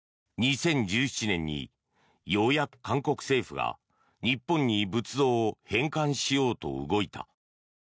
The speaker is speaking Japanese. ２０１７年にようやく韓国政府が日本に仏像を返還しようと動いた。